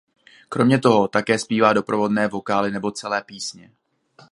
Kromě toho také zpívá doprovodné vokály nebo celé písně.